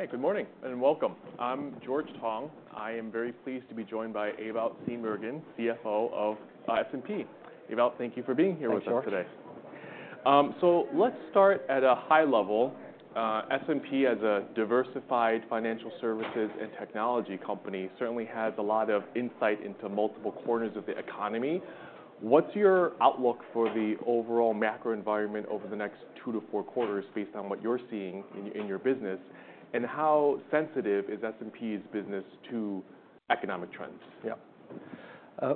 Hey, good morning, and welcome. I'm George Tong. I am very pleased to be joined by Ewout Steenbergen, CFO of S&P. Ewout, thank you for being here with us today. Thanks, George. Let's start at a high level. S&P as a diversified financial services and technology company, certainly has a lot of insight into multiple corners of the economy. What's your outlook for the overall macro environment over the next two-four quarters, based on what you're seeing in your business? And how sensitive is S&P's business to economic trends? Yeah.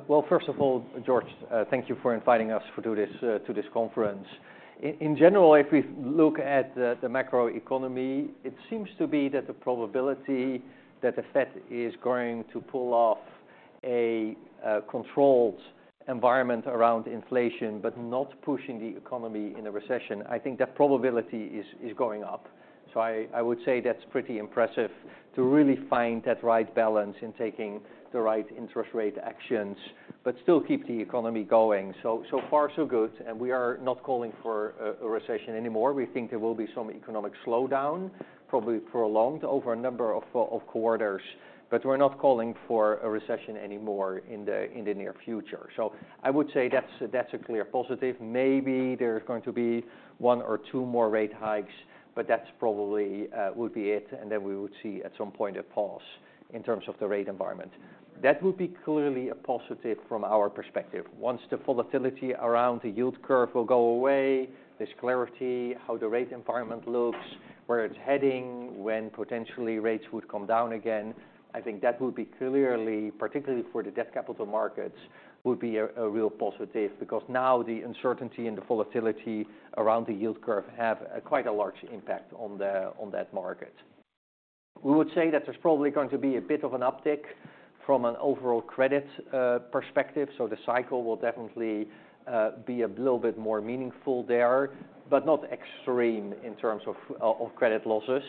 Well, first of all, George, thank you for inviting us to this conference. In general, if we look at the macroeconomy, it seems to be that the probability that the Fed is going to pull off a controlled environment around inflation, but not pushing the economy in a recession, I think that probability is going up. So I would say that's pretty impressive to really find that right balance in taking the right interest rate actions, but still keep the economy going. So far so good, and we are not calling for a recession anymore. We think there will be some economic slowdown, probably prolonged over a number of quarters, but we're not calling for a recession anymore in the near future. So I would say that's a clear positive. Maybe there's going to be one or two more rate hikes, but that's probably would be it, and then we would see at some point a pause in terms of the rate environment. That would be clearly a positive from our perspective. Once the volatility around the yield curve will go away, there's clarity, how the rate environment looks, where it's heading, when potentially rates would come down again, I think that would be clearly, particularly for the debt capital markets, would be a, a real positive. Because now the uncertainty and the volatility around the yield curve have quite a large impact on that market. We would say that there's probably going to be a bit of an uptick from an overall credit perspective, so the cycle will definitely be a little bit more meaningful there, but not extreme in terms of, of credit losses.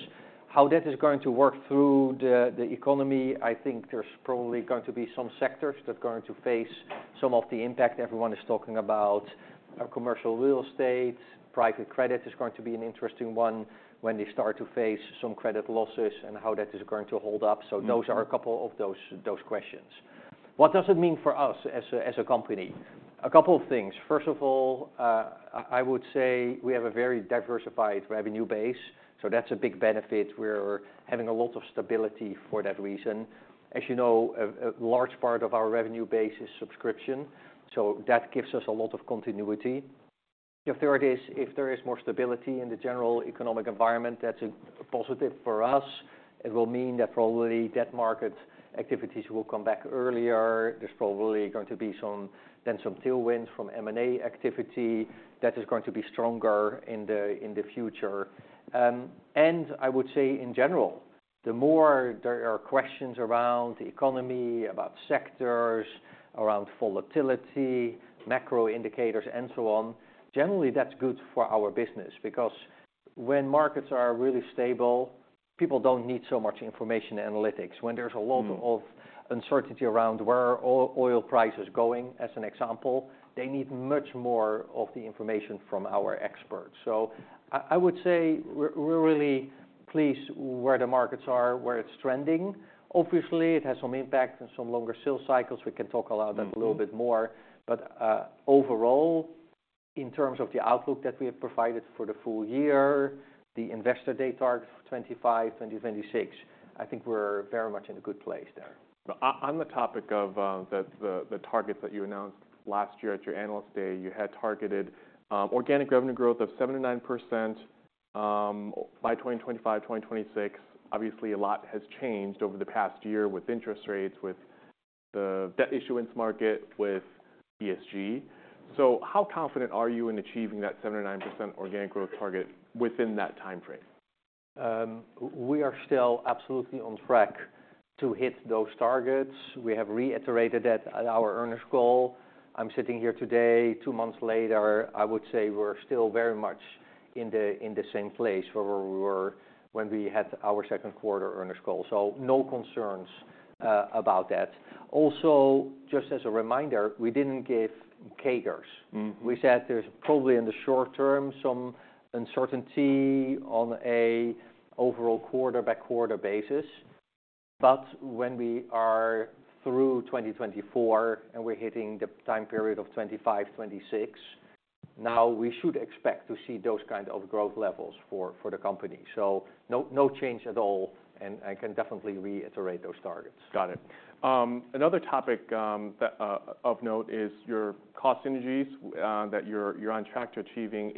How that is going to work through the, the economy, I think there's probably going to be some sectors that are going to face some of the impact everyone is talking about. Commercial real estate, private credit is going to be an interesting one when they start to face some credit losses and how that is going to hold up. Mm. So those are a couple of those questions. What does it mean for us as a company? A couple of things. First of all, I would say we have a very diversified revenue base, so that's a big benefit. We're having a lot of stability for that reason. As you know, a large part of our revenue base is subscription, so that gives us a lot of continuity. If there is more stability in the general economic environment, that's a positive for us. It will mean that probably debt market activities will come back earlier. There's probably going to be some... Then some tailwinds from M&A activity that is going to be stronger in the future. I would say, in general, the more there are questions around the economy, about sectors, around volatility, macro indicators, and so on, generally, that's good for our business. Because when markets are really stable, people don't need so much information analytics. Mm. When there's a lot of uncertainty around where oil price is going, as an example, they need much more of the information from our experts. So I would say we're really pleased where the markets are, where it's trending. Obviously, it has some impact and some longer sales cycles. We can talk about that- Mm-hmm... A little bit more. But, overall, in terms of the outlook that we have provided for the full year, the Investor Day targets for 2025 and 2026, I think we're very much in a good place there. On the topic of the targets that you announced last year at your Analyst Day, you had targeted organic revenue growth of 7%-9% by 2025, 2026. Obviously, a lot has changed over the past year with interest rates, with the debt issuance market, with ESG. So how confident are you in achieving that 7%-9% organic growth target within that timeframe? We are still absolutely on track to hit those targets. We have reiterated that at our earnings call. I'm sitting here today, two months later. I would say we're still very much in the same place where we were when we had our Q2 earnings call. So no concerns about that. Also, just as a reminder, we didn't give CAGRs. Mm. We said there's probably, in the short term, some uncertainty on an overall quarter-by-quarter basis. But when we are through 2024 and we're hitting the time period of 2025, 2026, now we should expect to see those kind of growth levels for, for the company. So no, no change at all, and I can definitely reiterate those targets. Got it. Another topic that of note is your cost synergies that you're on track to achieving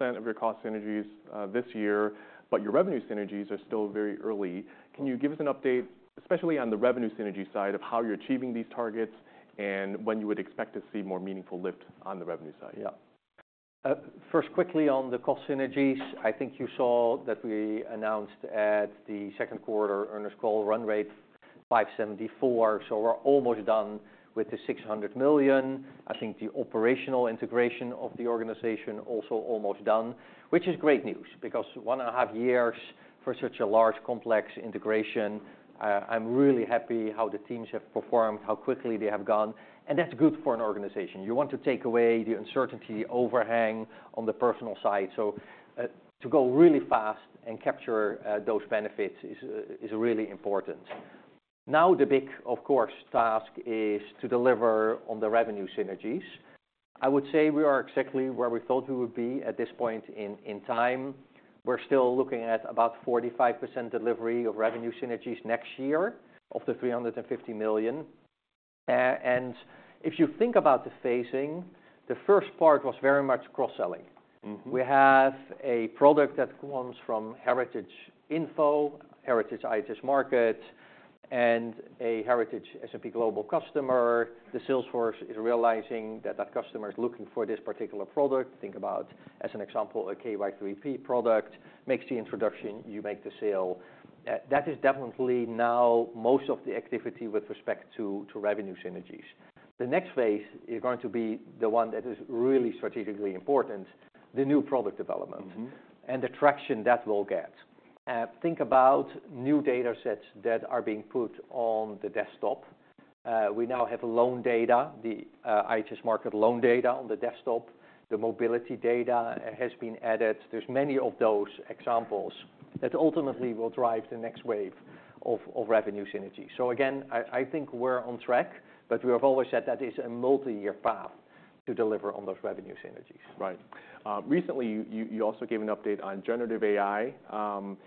80% of your cost synergies this year, but your revenue synergies are still very early. Can you give us an update, especially on the revenue synergy side, of how you're achieving these targets, and when you would expect to see more meaningful lift on the revenue side? Yeah. First, quickly on the cost synergies, I think you saw that we announced at the Q2 earnings call run rate $574 million, so we're almost done with the $600 million. I think the operational integration of the organization also almost done, which is great news, because one and a half years for such a large, complex integration, I'm really happy how the teams have performed, how quickly they have gone, and that's good for an organization. You want to take away the uncertainty overhang on the personal side, so, to go really fast and capture, those benefits is really important. Now the big, of course, task is to deliver on the revenue synergies. I would say we are exactly where we thought we would be at this point in time. We're still looking at about 45% delivery of revenue synergies next year, of the $350 million. And if you think about the phasing, the first part was very much cross-selling. Mm-hmm. We have a product that comes from uncertain, heritage IHS Markit, and a heritage S&P Global customer. The sales force is realizing that that customer is looking for this particular product. Think about, as an example, a KY3P product, makes the introduction, you make the sale. That is definitely now most of the activity with respect to revenue synergies. The next phase is going to be the one that is really strategically important, the new product development- Mm-hmm... and the traction that will get. Think about new data sets that are being put on the desktop. We now have loan data, the IHS Markit loan data on the desktop, the Mobility data has been added. There's many of those examples that ultimately will drive the next wave of revenue synergy. So again, I, I think we're on track, but we have always said that is a multi-year path to deliver on those revenue synergies. Right. Recently, you also gave an update on generative AI on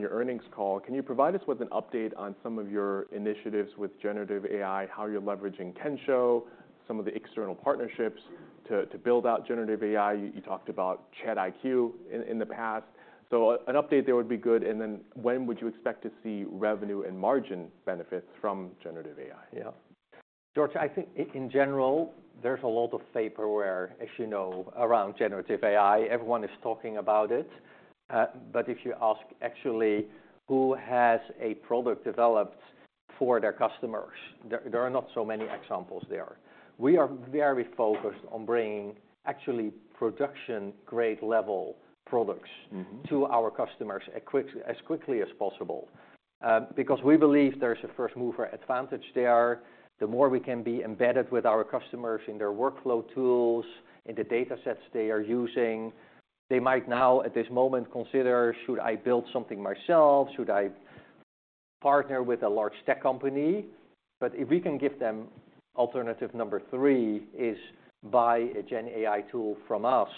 your earnings call. Can you provide us with an update on some of your initiatives with generative AI? How you're leveraging Kensho, some of the external partnerships to build out generative AI. You talked about CapIQ in the past, so an update there would be good, and then when would you expect to see revenue and margin benefits from generative AI? Yeah. George, I think in general, there's a lot of vaporware, as you know, around generative AI. Everyone is talking about it, but if you ask actually who has a product developed for their customers, there are not so many examples there. We are very focused on bringing actually production-grade level products- Mm-hmm... To our customers, as quickly as possible, because we believe there's a first mover advantage there. The more we can be embedded with our customers in their workflow tools, in the data sets they are using, they might now, at this moment, consider: Should I billed something myself? Should I partner with a large tech company? But if we can give them alternative number three, is buy a GenAI tool from us,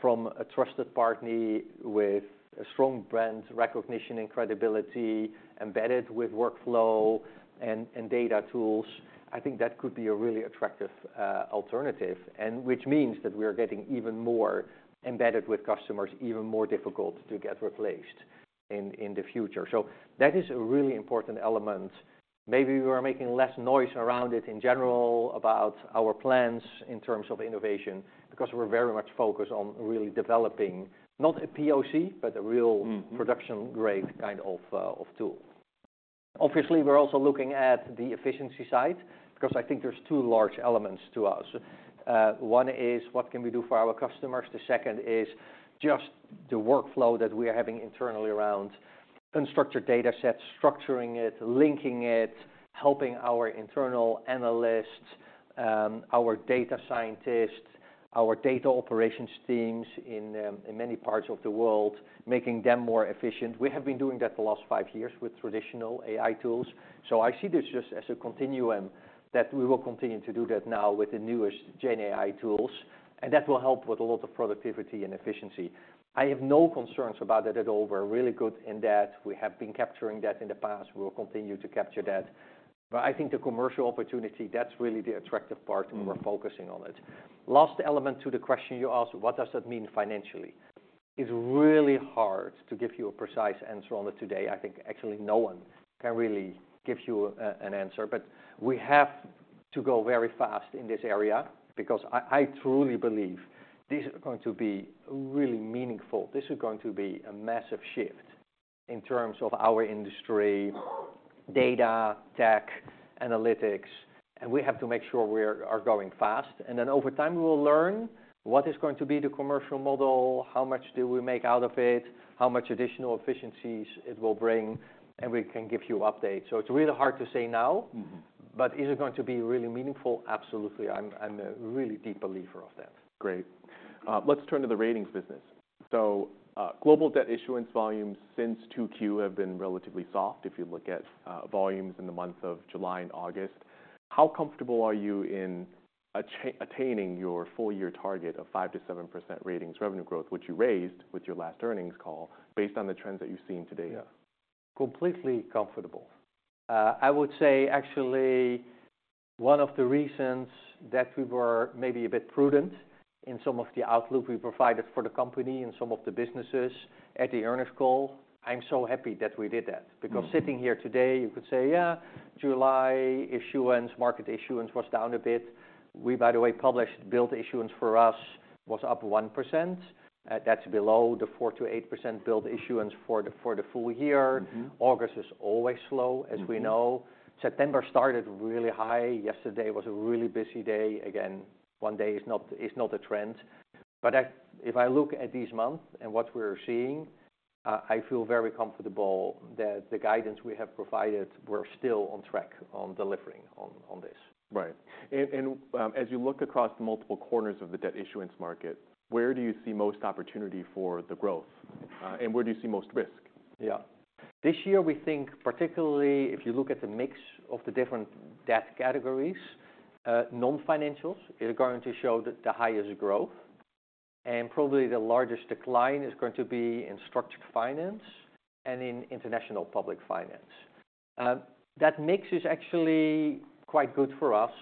from a trusted partner with a strong brand recognition and credibility, embedded with workflow and data tools, I think that could be a really attractive alternative, and which means that we are getting even more embedded with customers, even more difficult to get replaced in the future. So that is a really important element. Maybe we are making less noise around it in general about our plans in terms of innovation, because we're very much focused on really developing not a POC, but a real- Mm... Production-grade kind of, of tool. Obviously, we're also looking at the efficiency side, because I think there's two large elements to us. One is, what can we do for our customers? The second is just the workflow that we are having internally around unstructured data sets, structuring it, linking it, helping our internal analysts, our data scientists, our data operations teams in, in many parts of the world, making them more efficient. We have been doing that the last five years with traditional AI tools, so I see this just as a continuum, that we will continue to do that now with the newest GenAI tools, and that will help with a lot of productivity and efficiency. I have no concerns about that at all. We're really good in that. We have been capturing that in the past. We will continue to capture that. But I think the commercial opportunity, that's really the attractive part, and we're focusing on it. Last element to the question you asked: What does that mean financially? It's really hard to give you a precise answer on it today. I think actually no one can really give you an answer. But we have to go very fast in this area, because I truly believe this is going to be really meaningful. This is going to be a massive shift in terms of our industry, data, tech, analytics, and we have to make sure we are going fast. And then over time, we will learn what is going to be the commercial model, how much do we make out of it, how much additional efficiencies it will bring, and we can give you updates. So it's really hard to say now. Mm-hmm. But is it going to be really meaningful? Absolutely. I'm, I'm a really deep believer of that. Great. Let's turn to the Ratings business. So, global debt issuance volumes since 2Q have been relatively soft, if you look at, volumes in the months of July and August. How comfortable are you in attaining your full year target of 5%-7% Ratings revenue growth, which you raised with your last earnings call, based on the trends that you've seen to date? Yeah. Completely comfortable. I would say, actually, one of the reasons that we were maybe a bit prudent in some of the outlook we provided for the company and some of the businesses at the earnings call, I'm so happy that we did that. Mm. Because sitting here today, you could say, "Yeah, July issuance, market issuance was down a bit." We, by the way, published bond issuance for us was up 1%. That's below the 4%-8% bond issuance for the full year. Mm-hmm. August is always slow, as we know. Mm-hmm. September started really high. Yesterday was a really busy day. Again, one day is not, it's not a trend. But I... If I look at this month and what we're seeing, I feel very comfortable that the guidance we have provided, we're still on track on delivering on this. Right. As you look across multiple corners of the debt issuance market, where do you see most opportunity for the growth? And where do you see most risk? Yeah. This year, we think particularly if you look at the mix of the different debt categories, non-financials is going to show the highest growth, and probably the largest decline is going to be in Structured Finance and in International Public Finance. That mix is actually quite good for us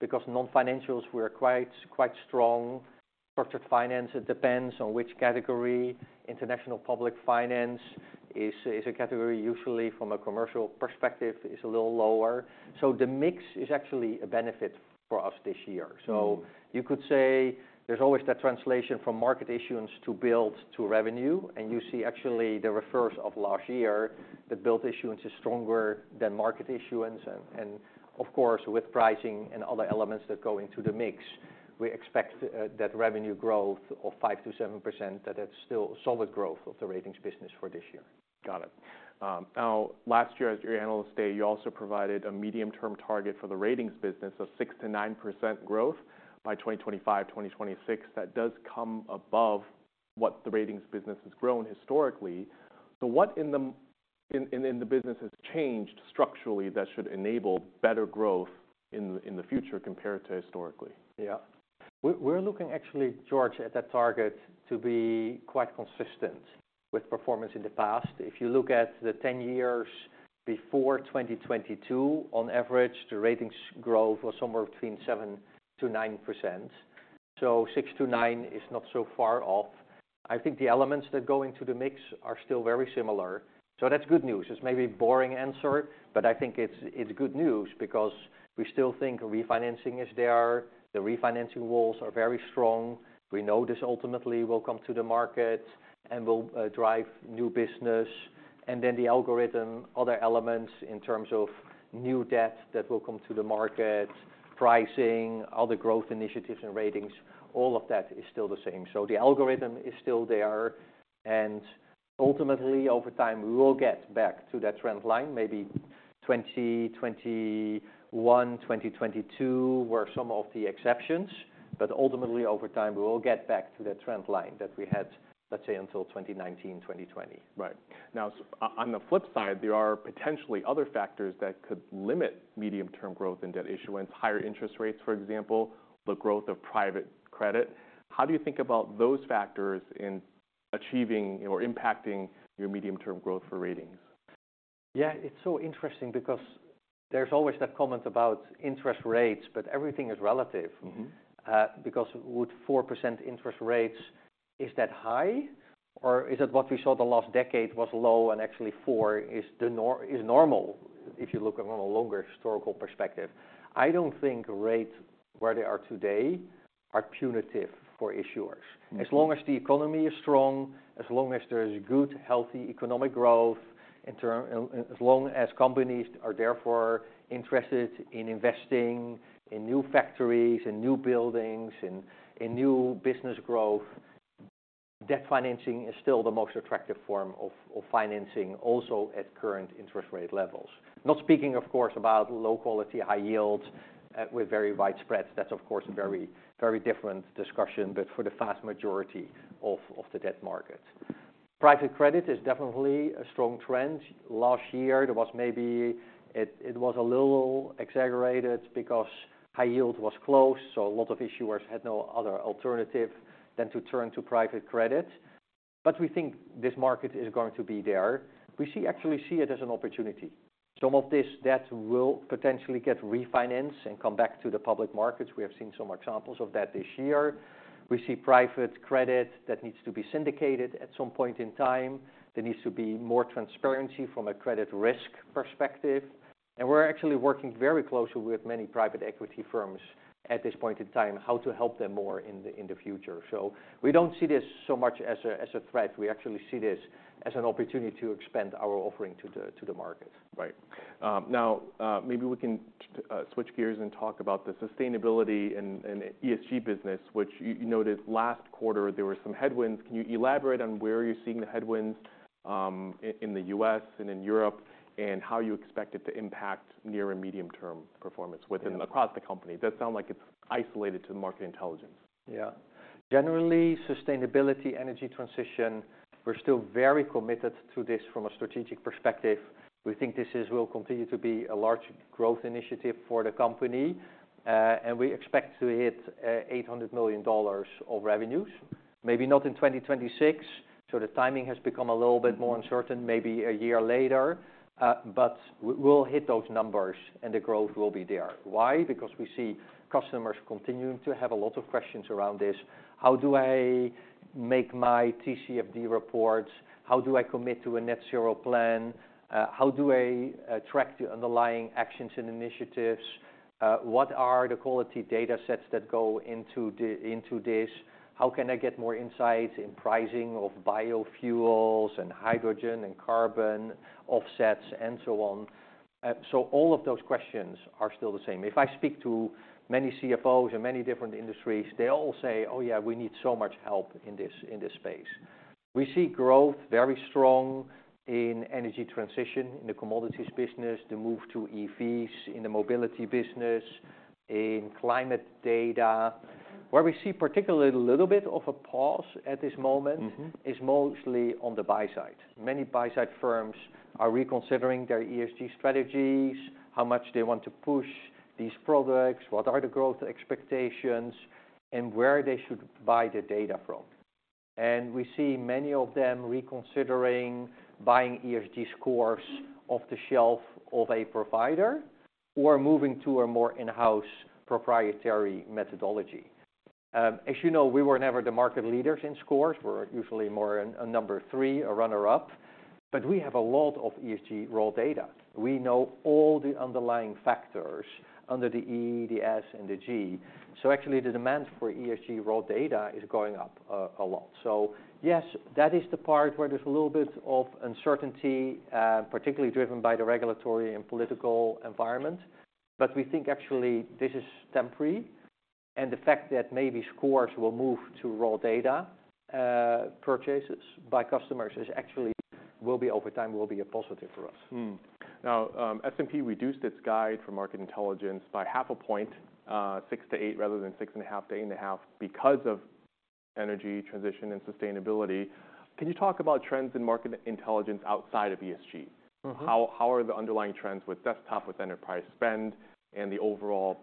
because non-financials, we are quite strong. Structured finance, it depends on which category. International public finance is a category usually from a commercial perspective, is a little lower. So the mix is actually a benefit for us this year. Mm-hmm. So you could say there's always that translation from market issuance to build to revenue, and you see actually the reverse of last year, the billed issuance is stronger than market issuance. And of course, with pricing and other elements that go into the mix, we expect that revenue growth of 5%-7%, that it's still solid growth of the Ratings business for this year. Got it. Now, last year at your Analyst Day, you also provided a medium-term target for the Ratings business of 6%-9% growth by 2025, 2026. That does come above what the Ratings business has grown historically. So what in the business has changed structurally that should enable better growth in the future compared to historically? Yeah. We're, we're looking actually, George, at that target to be quite consistent with performance in the past. If you look at the 10 years before 2022, on average, the Ratings growth was somewhere between 7%-9%. So 6%-9% is not so far off. I think the elements that go into the mix are still very similar, so that's good news. It's maybe a boring answer, but I think it's, it's good news because we still think refinancing is there. The refinancing walls are very strong. We know this ultimately will come to the market and will drive new business. And then the algorithm, other elements in terms of new debt that will come to the market, pricing, other growth initiatives and Ratings, all of that is still the same. So the algorithm is still there, and ultimately, over time, we will get back to that trend line, maybe 2021, 2022, were some of the exceptions, but ultimately, over time, we will get back to the trend line that we had, let's say, until 2019, 2020. Right. Now, on the flip side, there are potentially other factors that could limit medium-term growth in debt issuance, higher interest rates, for example, the growth of private credit. How do you think about those factors in achieving or impacting your medium-term growth for ratings? Yeah, it's so interesting because there's always that comment about interest rates, but everything is relative. Mm-hmm. Because with 4% interest rates, is that high, or is it what we saw the last decade was low, and actually four is normal, if you look from a longer historical perspective? I don't think rates where they are today are punitive for issuers. Mm-hmm. As long as the economy is strong, as long as there is good, healthy economic growth, as long as companies are therefore interested in investing in new factories, in new buildings, in new business growth, debt financing is still the most attractive form of financing, also at current interest rate levels. Not speaking, of course, about low quality, high yield, with very wide spreads. That's, of course, a- Mm-hmm... Very different discussion, but for the vast majority of the debt market. Private credit is definitely a strong trend. Last year, there was maybe. It was a little exaggerated because high yield was close, so a lot of issuers had no other alternative than to turn to private credit. But we think this market is going to be there. We actually see it as an opportunity. Some of this debt will potentially get refinanced and come back to the public markets. We have seen some examples of that this year. We see private credit that needs to be syndicated at some point in time. There needs to be more transparency from a credit risk perspective, and we're actually working very closely with many private equity firms at this point in time, how to help them more in the future. We don't see this so much as a threat. We actually see this as an opportunity to expand our offering to the market. Right. Now, maybe we can switch gears and talk about the sustainability and ESG business, which you noted last quarter, there were some headwinds. Can you elaborate on where you're seeing the headwinds in the U.S. and in Europe, and how you expect it to impact near- and medium-term performance within- Yeah... across the company? Does sound like it's isolated to the Market Intelligence? Yeah. Generally, sustainability, energy transition, we're still very committed to this from a strategic perspective. We think this will continue to be a large growth initiative for the company, and we expect to hit $800 million of revenues, maybe not in 2026, so the timing has become a little bit more uncertain, maybe a year later, but we'll hit those numbers and the growth will be there. Why? Because we see customers continuing to have a lot of questions around this. How do I make my TCFD reports? How do I commit to a net zero plan? How do I track the underlying actions and initiatives? What are the quality data sets that go into this? How can I get more insights in pricing of biofuels and hydrogen and carbon offsets, and so on? So all of those questions are still the same. If I speak to many CFOs in many different industries, they all say: "Oh, yeah, we need so much help in this, in this space." We see growth very strong in energy transition, in the commodities business, the move to EVs, in the Mobility business, in climate data. Where we see particularly a little bit of a pause at this moment- Mm-hmm. is mostly on the buy side. Many buy-side firms are reconsidering their ESG strategies, how much they want to push these products, what are the growth expectations, and where they should buy the data from. And we see many of them reconsidering buying ESG scores off the shelf of a provider or moving to a more in-house proprietary methodology. As you know, we were never the market leaders in scores. We're usually more a, a number three, a runner-up, but we have a lot of ESG raw data. We know all the underlying factors under the E, the S, and the G, so actually, the demand for ESG raw data is going up a lot. So yes, that is the part where there's a little bit of uncertainty, particularly driven by the regulatory and political environment. But we think actually this is temporary, and the fact that maybe scores will move to raw data, purchases by customers is actually will be over time, will be a positive for us. Now, S&P reduced its guide for Market Intelligence by 0.5 point, six-eight rather than 6.5-8.5, because of energy transition and sustainability. Can you talk about trends in Market Intelligence outside of ESG? Mm-hmm. How are the underlying trends with desktop, enterprise spend, and the overall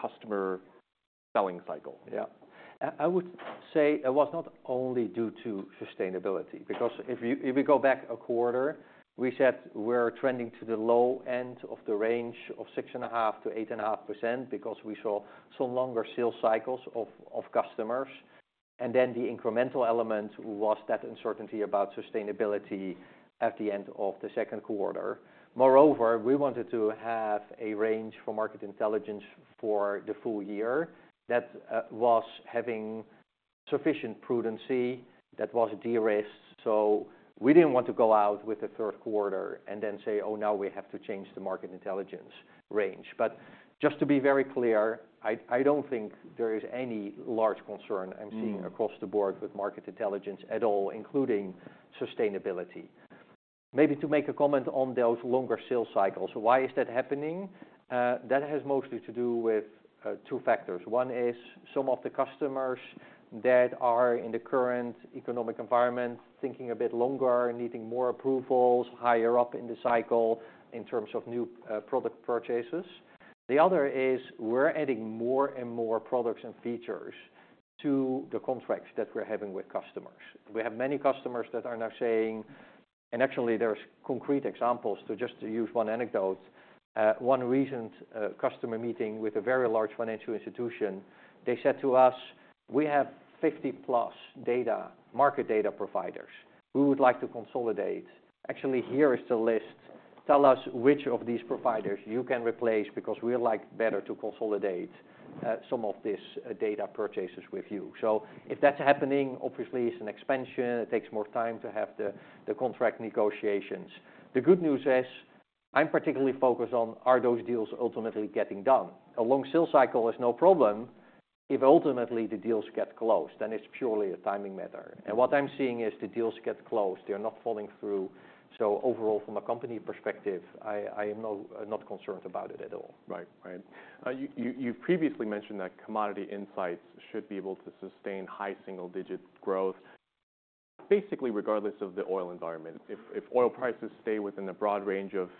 customer selling cycle? Yeah. I, I would say it was not only due to sustainability, because if you, if you go back a quarter, we said we're trending to the low end of the range of 6.5%-8.5% because we saw some longer sales cycles of, of customers, and then the incremental element was that uncertainty about sustainability at the end of the Q2. Moreover, we wanted to have a range for Market Intelligence for the full year that was having sufficient prudency, that was de-risked. So we didn't want to go out with the Q3 and then say, "Oh, now we have to change the Market Intelligence range." But just to be very clear, I, I don't think there is any large concern- Hmm... I'm seeing across the board with Market Intelligence at all, including sustainability. Maybe to make a comment on those longer sales cycles, why is that happening? That has mostly to do with two factors. One is some of the customers that are in the current economic environment, thinking a bit longer, needing more approvals, higher up in the cycle in terms of new product purchases. The other is we're adding more and more products and features to the contracts that we're having with customers. We have many customers that are now saying... And actually, there's concrete examples to just to use one anecdote. One recent customer meeting with a very large financial institution, they said to us, "We have 50+ data, market data providers. We would like to consolidate. Actually, here is the list. Tell us which of these providers you can replace, because we would like better to consolidate, some of these data purchases with you." So if that's happening, obviously, it's an expansion. It takes more time to have the contract negotiations. The good news is, I'm particularly focused on, are those deals ultimately getting done? A long sales cycle is no problem if ultimately the deals get closed, then it's purely a timing matter. And what I'm seeing is the deals get closed. They are not falling through. So overall, from a company perspective, I'm not concerned about it at all. Right. You've previously mentioned that Commodity Insights should be able to sustain high single-digit growth, basically, regardless of the oil environment. If oil prices stay within a broad range of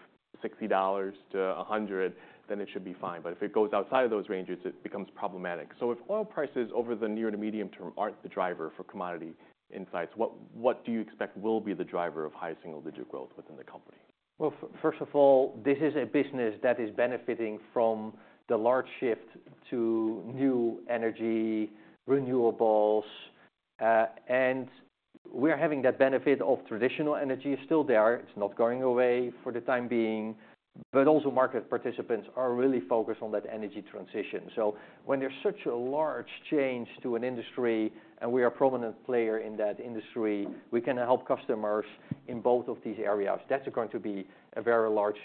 $60-$100, then it should be fine. But if it goes outside of those ranges, it becomes problematic. So if oil prices over the near to medium term aren't the driver for Commodity Insights, what do you expect will be the driver of high single-digit growth within the company? Well, first of all, this is a business that is benefiting from the large shift to new energy renewables, and we're having that benefit of traditional energy is still there. It's not going away for the time being, but also market participants are really focused on that energy transition. So when there's such a large change to an industry, and we are a prominent player in that industry, we can help customers in both of these areas. That's going to be a very large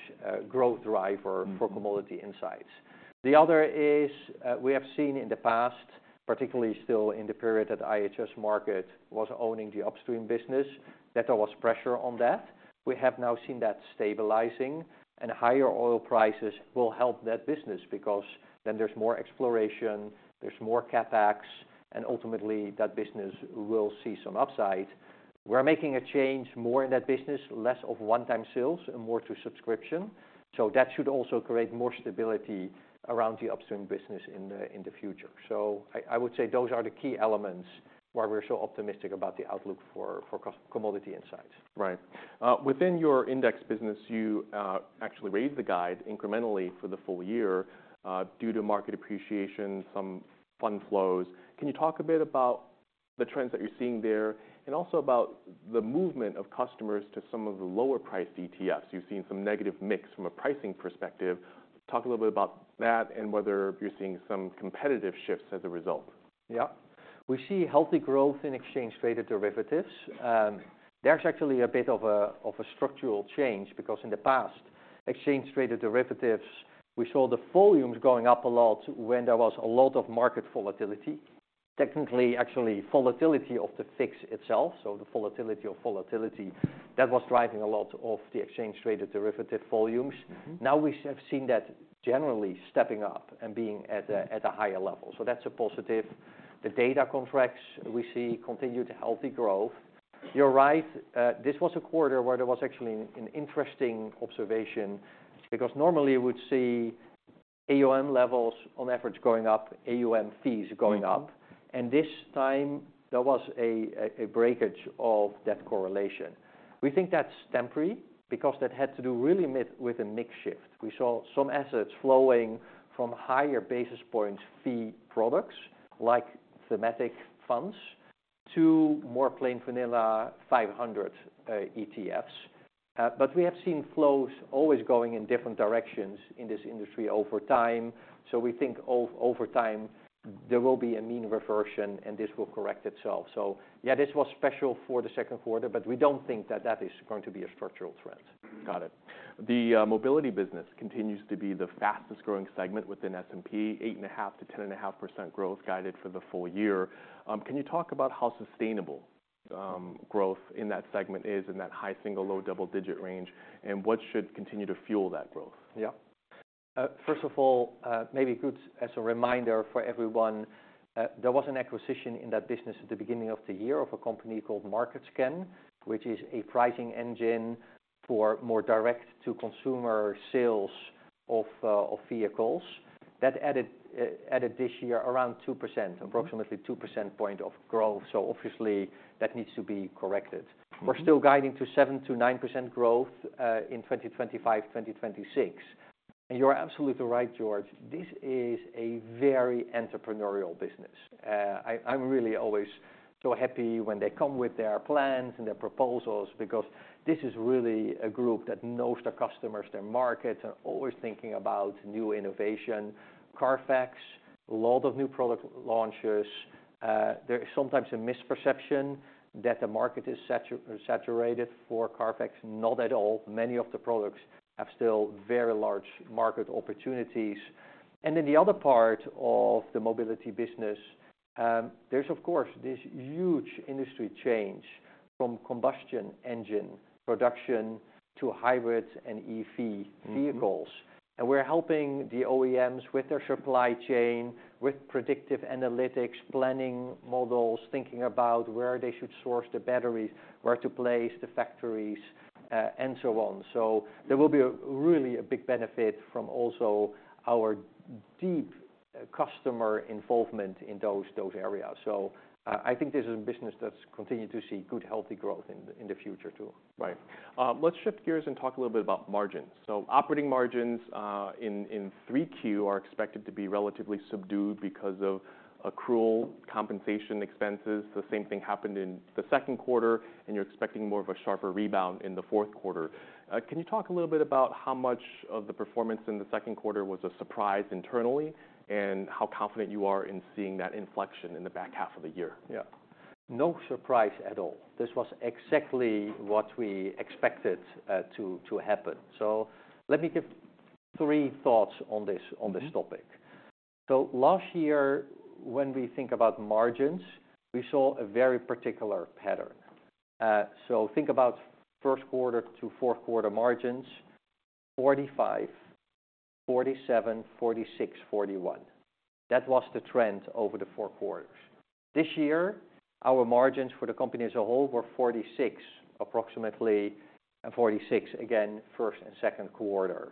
growth driver- Hmm... for Commodity Insights. The other is, we have seen in the past, particularly still in the period that IHS Markit was owning the upstream business, that there was pressure on that. We have now seen that stabilizing, and higher oil prices will help that business because then there's more exploration, there's more CapEx, and ultimately, that business will see some upside. We're making a change more in that business, less of one-time sales and more to subscription, so that should also create more stability around the upstream business in the future. So I would say those are the key elements why we're so optimistic about the outlook for Commodity Insights. Right. Within your index business, you actually raised the guide incrementally for the full year, due to market appreciation, some fund flows. Can you talk a bit about the trends that you're seeing there, and also about the movement of customers to some of the lower-priced ETFs? You've seen some negative mix from a pricing perspective. Talk a little bit about that and whether you're seeing some competitive shifts as a result. Yeah. We see healthy growth in exchange-traded derivatives. There's actually a bit of a structural change, because in the past, exchange-traded derivatives, we saw the volumes going up a lot when there was a lot of market volatility... Technically, actually, volatility of the VIX itself, so the volatility of volatility, that was driving a lot of the exchange-traded derivative volumes. Now we have seen that generally stepping up and being at a higher level. So that's a positive. The data contracts, we see continued healthy growth. You're right, this was a quarter where there was actually an interesting observation, because normally you would see AUM levels on average going up, AUM fees going up, and this time there was a breakage of that correlation. We think that's temporary, because that had to do really with a mix shift. We saw some assets flowing from higher basis point fee products, like thematic funds, to more plain vanilla 500, ETFs. But we have seen flows always going in different directions in this industry over time. So we think over time, there will be a mean reversion, and this will correct itself. So yeah, this was special for the Q2, but we don't think that that is going to be a structural threat. Got it. The Mobility business continues to be the fastest growing segment within S&P, 8.5%-10.5% growth guided for the full year. Can you talk about how sustainable growth in that segment is in that high single, low double-digit range, and what should continue to fuel that growth? Yeah. First of all, maybe good as a reminder for everyone, there was an acquisition in that business at the beginning of the year of a company called Market Scan, which is a pricing engine for more direct-to-consumer sales of vehicles. That added this year around 2%, approximately 2% points of growth, so obviously, that needs to be corrected. We're still guiding to 7%-9% growth in 2025, 2026. And you're absolutely right, George, this is a very entrepreneurial business. I'm really always so happy when they come with their plans and their proposals, because this is really a group that knows their customers, their markets, are always thinking about new innovation. CARFAX, a lot of new product launches. There is sometimes a misperception that the market is saturated for CARFAX. Not at all. Many of the products have still very large market opportunities. And then the other part of the Mobility business, there's of course this huge industry change from combustion engine production to hybrid and EV vehicles. And we're helping the OEMs with their supply chain, with predictive analytics, planning models, thinking about where they should source the batteries, where to place the factories, and so on. So there will be a really big benefit from also our deep customer involvement in those areas. So, I think this is a business that's continued to see good, healthy growth in the future, too. Right. Let's shift gears and talk a little bit about margins. So operating margins in 3Q are expected to be relatively subdued because of accrual compensation expenses. The same thing happened in the Q2, and you're expecting more of a sharper rebound in the Q4. Can you talk a little bit about how much of the performance in the Q2 was a surprise internally, and how confident you are in seeing that inflection in the back half of the year? Yeah. No surprise at all. This was exactly what we expected to happen. So let me give three thoughts on this on this topic. So last year, when we think about margins, we saw a very particular pattern. So think about Q1 to Q4 margins, 45, 47, 46, 41. That was the trend over the four quarters. This year, our margins for the company as a whole were 46, approximately 46, again, Q1 and Q2. And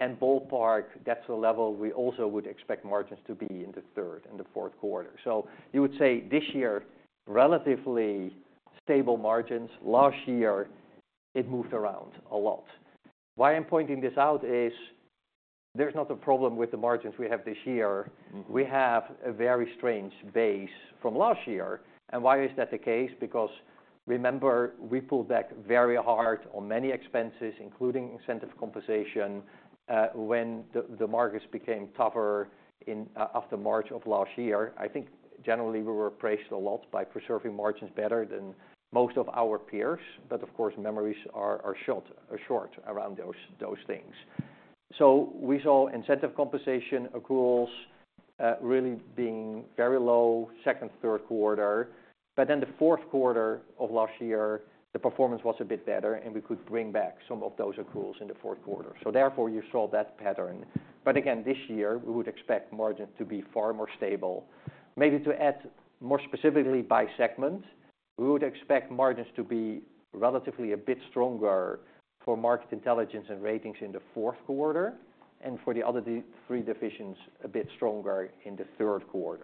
ballpark, that's the level we also would expect margins to be in the third and the Q4. So you would say this year, relatively stable margins. Last year, it moved around a lot. Why I'm pointing this out is there's not a problem with the margins we have this year. Mm-hmm. We have a very strange basis from last year. And why is that the case? Because remember, we pulled back very hard on many expenses, including incentive compensation, when the markets became tougher in after March of last year. I think generally we were praised a lot by preserving margins better than most of our peers, but of course, memories are short around those things. So we saw incentive compensation accruals really being very low, second, Q3. But then the Q4 of last year, the performance was a bit better, and we could bring back some of those accruals in the Q4. So therefore, you saw that pattern. But again, this year, we would expect margins to be far more stable. Maybe to add more specifically by segment, we would expect margins to be relatively a bit stronger for Market Intelligence and Ratings in the Q4, and for the other three divisions, a bit stronger in the Q3.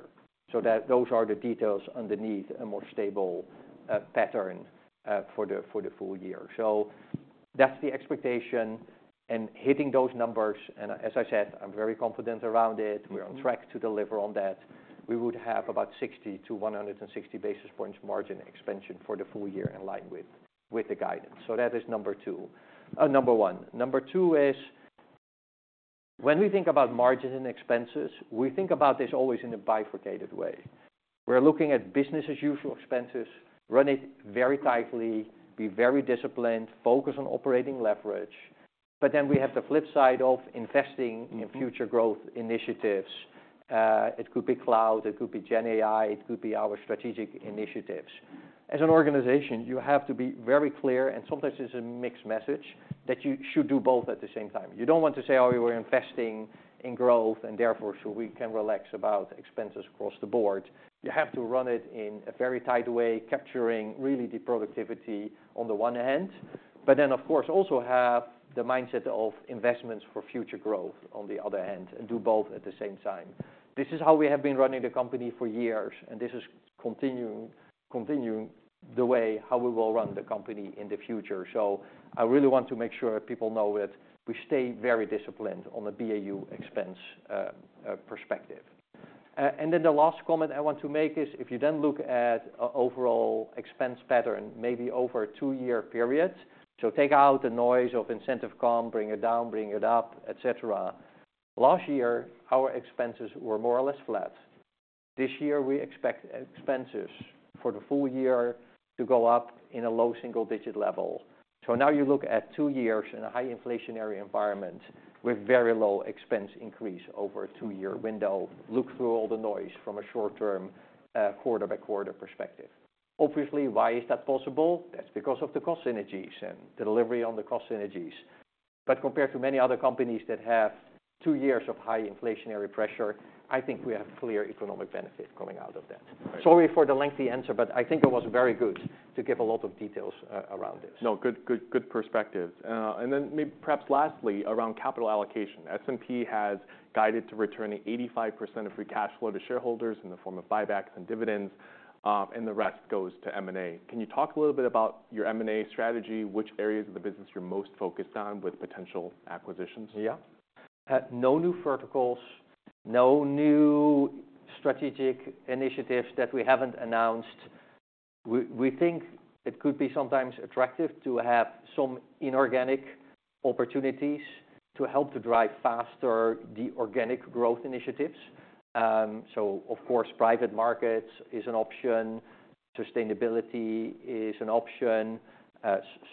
So those are the details underneath a more stable pattern for the full year. So that's the expectation, and hitting those numbers, and as I said, I'm very confident around it. We're on track to deliver on that. We would have about 60-160 basis points margin expansion for the full year, in line with the guidance. So that is number two. Number one. Number two is, when we think about margins and expenses, we think about this always in a bifurcated way. We're looking at business as usual expenses, run it very tightly, be very disciplined, focus on operating leverage. But then we have the flip side of investing in future growth initiatives. It could be cloud, it could be GenAI, it could be our strategic initiatives. As an organization, you have to be very clear, and sometimes it's a mixed message, that you should do both at the same time. You don't want to say, "Oh, we're investing in growth, and therefore, so we can relax about expenses across the board." You have to run it in a very tight way, capturing really the productivity on the one hand, but then, of course, also have the mindset of investments for future growth on the other hand, and do both at the same time. This is how we have been running the company for years, and this is continuing, continuing the way how we will run the company in the future. So I really want to make sure people know that we stay very disciplined on the BAU expense perspective. And then the last comment I want to make is, if you then look at overall expense pattern, maybe over a two-year period, so take out the noise of incentive comp, bring it down, bring it up, et cetera. Last year, our expenses were more or less flat. This year, we expect expenses for the full year to go up in a low single-digit level. So now you look at two years in a high inflationary environment with very low expense increase over a two-year window. Look through all the noise from a short-term quarter-by-quarter perspective. Obviously, why is that possible? That's because of the cost synergies and delivery on the cost synergies. But compared to many other companies that have two years of high inflationary pressure, I think we have clear economic benefit coming out of that. Right. Sorry for the lengthy answer, but I think it was very good to give a lot of details around this. No. Good, good, good perspective. And then perhaps lastly, around capital allocation. S&P has guided to return 85% of free cash flow to shareholders in the form of buybacks and dividends, and the rest goes to M&A. Can you talk a little bit about your M&A strategy, which areas of the business you're most focused on with potential acquisitions? Yeah. No new verticals, no new strategic initiatives that we haven't announced. We, we think it could be sometimes attractive to have some inorganic opportunities to help to drive faster the organic growth initiatives. So of course, private markets is an option, sustainability is an option.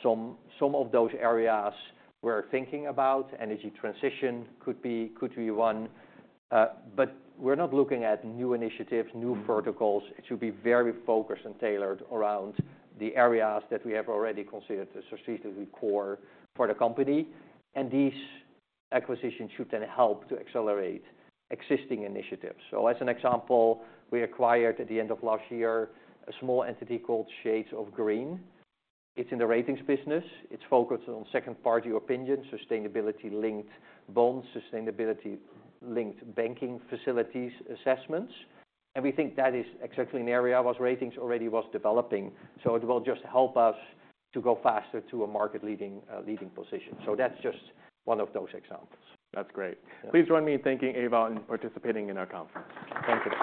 Some, some of those areas we're thinking about, energy transition could be, could be one, but we're not looking at new initiatives, new verticals. It should be very focused and tailored around the areas that we have already considered as strategically core for the company, and these acquisitions should then help to accelerate existing initiatives. So as an example, we acquired, at the end of last year, a small entity called Shades of Green. It's in the Ratings business. It's focused on second-party opinion, sustainability-linked bonds, sustainability-linked banking facilities assessments, and we think that is exactly an area where Ratings already was developing. So it will just help us to go faster to a market leading, leading position. So that's just one of those examples. That's great. Yeah. Please join me in thanking Ewout for participating in our conference. Thank you.